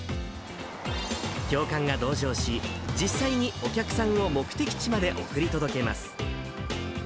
教官が同乗し、実際にお客さんを目的地まで送り届けます。